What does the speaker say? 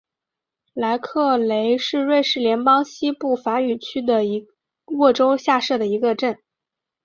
莱克雷是瑞士联邦西部法语区的沃州下设的一个镇。